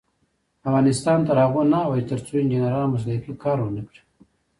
افغانستان تر هغو نه ابادیږي، ترڅو انجنیران مسلکي کار ونکړي.